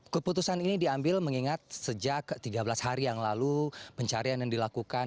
keputusan ini diambil mengingat sejak tiga belas hari yang lalu pencarian yang dilakukan